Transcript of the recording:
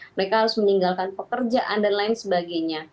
mereka harus meninggalkan pekerjaan dan lain sebagainya